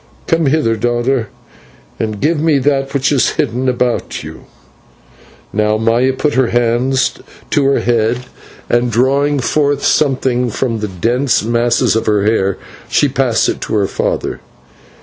Come hither, daughter, and give me that which is hidden about you." Now Maya put her hands to her head, and drawing forth something from the dense masses of her hair, she passed it to her father.